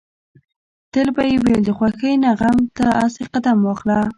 تل به يې ويل د خوښۍ نه غم ته اسې قدم واخله.